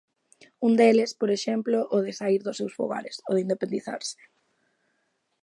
Un deles, por exemplo, o de saír dos seus fogares, o de independizarse.